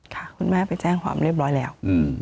คุณแม่ไปแจ้งความเรียบร้อยแล้ว